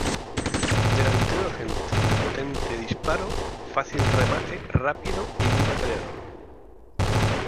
Delantero centro de potente disparo, fácil remate, rápido y muy batallador.